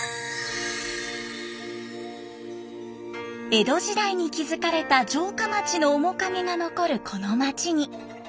江戸時代に築かれた城下町の面影が残るこの町に。